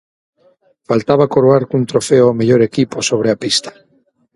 Faltaba coroar cun trofeo ao mellor equipo sobre a pista.